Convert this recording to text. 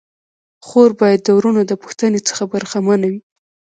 خور باید د وروڼو د پوښتني څخه برخه منه وي.